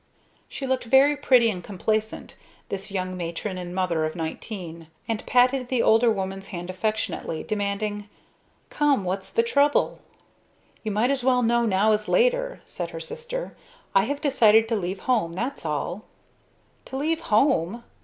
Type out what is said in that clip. She looked very pretty and complacent, this young matron and mother of nineteen; and patted the older woman's hand affectionately, demanding, "Come what's the trouble?" "You might as well know now as later," said her sister. "I have decided to leave home, that's all." "To leave home!"